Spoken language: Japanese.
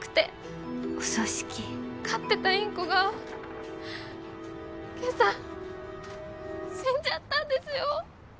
飼ってたインコが今朝死んじゃったんですよ。